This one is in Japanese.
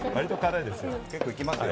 結構行きますよ。